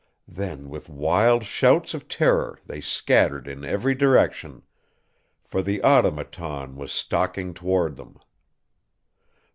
Then with wild shouts of terror they scattered in every direction, for the Automaton was stalking toward them.